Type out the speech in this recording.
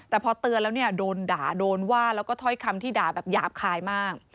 แต่พอเตือนแล้วเนี่ยโดนด่าโดนว่าแล้วก็ถ้อยคำที่ด่าแบบหยาบคายมาก